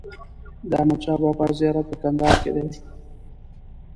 د احمدشاه بابا زیارت په کندهار کې دی.